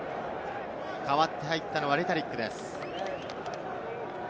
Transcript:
代わって入ったのはレタリックです。